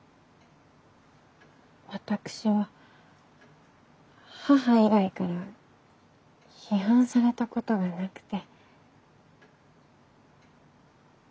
私は母以外から批判されたことがなくて。